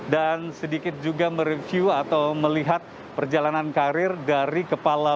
dan sedikit juga mereview atau melihat perjalanan karir dari kepala